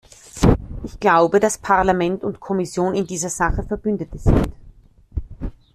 Ich glaube, dass Parlament und Kommission in dieser Sache Verbündete sind.